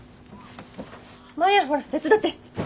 マヤほら手伝って。